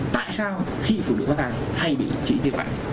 tại sao khi phụ nữ có thai hay bị trĩ thì phải